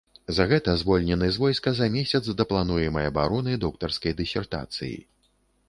За гэта звольнены з войска за месяц да плануемай абароны доктарскай дысертацыі.